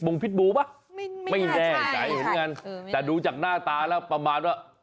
มุงพิทบูปะใช่แต่ดูจากหน้าตาแล้วประมาณว่า